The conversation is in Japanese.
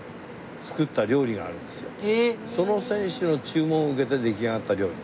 その選手の注文を受けて出来上がった料理。